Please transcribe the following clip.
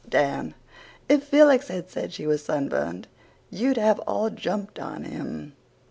(DAN: "If Felix had said she was sunburned you'd have all jumped on him."